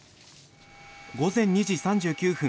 午前２時３９分